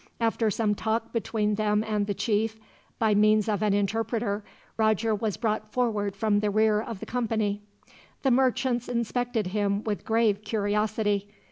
After some talk between them and the chief, by means of an interpreter, Roger was brought forward from the rear of the company. The merchants inspected him with grave curiosity.